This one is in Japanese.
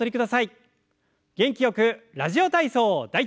元気よく「ラジオ体操第１」。